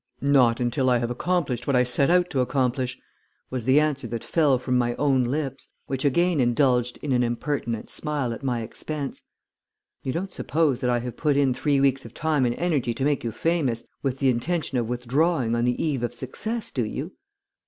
"'Not until I have accomplished what I set out to accomplish,' was the answer that fell from my own lips, which again indulged in an impertinent smile at my expense. 'You don't suppose that I have put in three weeks of time and energy to make you famous with the intention of withdrawing on the eve of success, do you?'